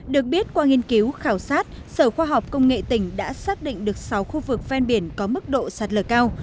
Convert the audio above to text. được biết qua nghiên cứu khảo sát sở khoa học công nghệ tỉnh đã xác định được sáu khu vực ven biển có mức độ sạt lở cao